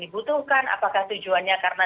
dibutuhkan apakah tujuannya karena